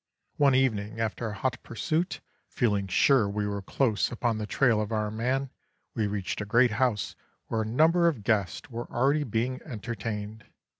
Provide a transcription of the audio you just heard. One evening, after a hot pursuit, feeling sure we were close upon the trail of our man, we reached a great house where a number of guests were already being entertained.